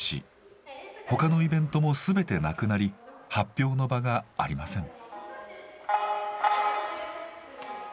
他のイベントも全てなくなり発表の場がありません。